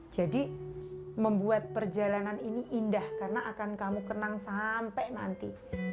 jadi membuat perjalanan ini indah karena akan kamu kenang sampai nanti